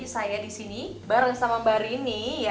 saya disini bareng sama mbak riny